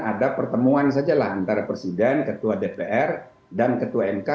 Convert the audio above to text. ada pertemuan sajalah antara presiden ketua dpr dan ketua mk